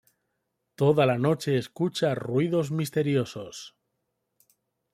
Toda la noche escucha ruidos misteriosos.